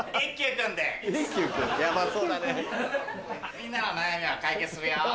みんなの悩みを解決するよ